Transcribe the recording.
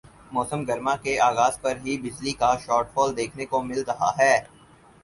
موسم گرما کے آغاز پر ہی بجلی کا شارٹ فال دیکھنے کو مل رہا ہے